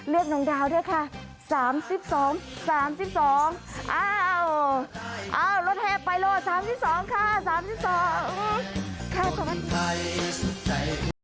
เรียกน้องดาวด้วยค่ะสามสิบสองสามสิบสองเอ้าเอ้ารถแฮบไปล่ะสามสิบสองค่ะสามสิบสองค่ะขอบคุณ